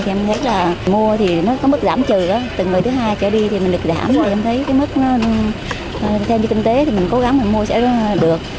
thì em thấy là mua thì nó có mức giảm trừ đó từ người thứ hai trở đi thì mình được giảm rồi em thấy cái mức nó thêm như tinh tế thì mình cố gắng mà mua sẽ được